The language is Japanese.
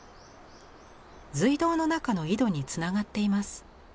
隧道の中の井戸につながっています。